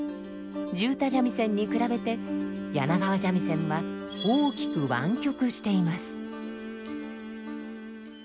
地唄三味線に比べて柳川三味線は大きく湾曲しています。